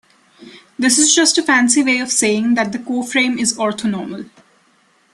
This is just a fancy way of saying that the coframe is "orthonormal".